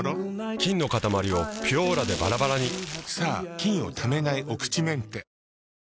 菌のかたまりを「ピュオーラ」でバラバラにさぁ菌をためないお口メンテ。